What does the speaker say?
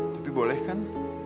tapi boleh kan